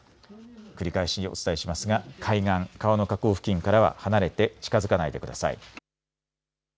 繰り返しお伝えしますが海岸、川の河口付近からは離れて近づかないでください。